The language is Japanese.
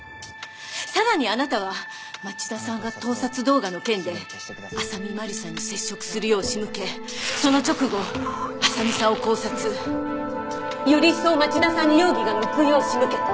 さらにあなたは町田さんが盗撮動画の件で浅見麻里さんに接触するよう仕向けその直後浅見さんを絞殺。より一層町田さんに容疑が向くよう仕向けた。